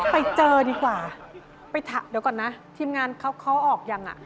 ไปเจอดีกว่าไปถามเดี๋ยวก่อนนะทีมงานเขาออกยังอ่ะ